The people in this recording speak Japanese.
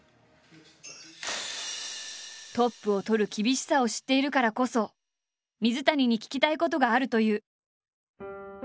トップをとる厳しさを知っているからこそ水谷に聞きたいことがあるという。